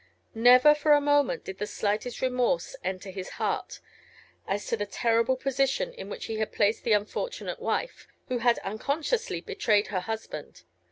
Never for a moment did the slightest remorse enter his heart, as to the terrible position in which he had placed the unfortunate wife, who had unconsciously betrayed her husband.